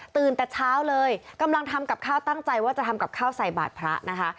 แต่เช้าเลยกำลังทำกับข้าวตั้งใจว่าจะทำกับข้าวใส่บาทพระนะคะ